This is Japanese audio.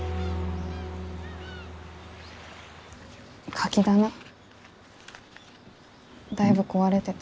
カキ棚だいぶ壊れてた。